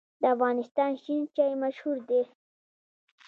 د افغانستان شین چای مشهور دی